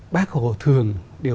bác hồ thường điều